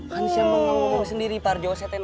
kan siapa ngomong sendiri parjo setenanya